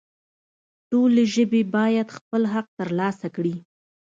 ټولې ژبې باید خپل حق ترلاسه کړي